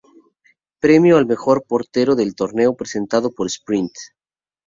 Premio al mejor portero del torneo presentado por Sprint.